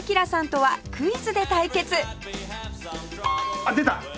あっ出た！